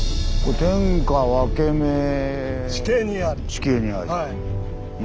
地形にあり。